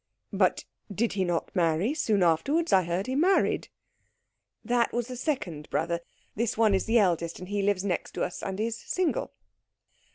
"But did he not marry soon afterwards? I heard he married." "That was the second brother. This one is the eldest, and lives next to us, and is single."